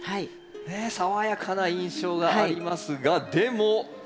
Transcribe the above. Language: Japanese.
ねえ爽やかな印象がありますがでも香りは。